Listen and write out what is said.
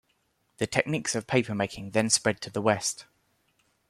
The techniques of papermaking then spread to the West.